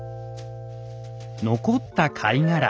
残った貝殻